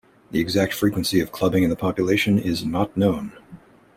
The exact frequency of clubbing in the population is not known.